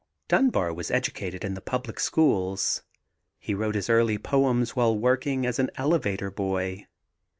Dunbar was educated in the public schools. He wrote his early poems while working as an elevator boy.